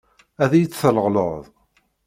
Ad iyi-tt-tṛeḍleḍ?